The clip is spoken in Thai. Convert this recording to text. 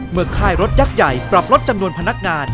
ค่ายรถยักษ์ใหญ่ปรับลดจำนวนพนักงาน